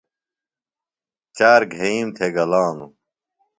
چار گھئیم تھےۡ گلانوۡ۔